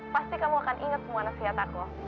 pasti kamu akan ingat semua nasihat aku